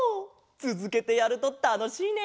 つづけてやるとたのしいね！